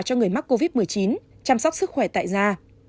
cho người mắc covid một mươi chín chăm sóc sức khỏe tại da